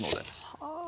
はあ。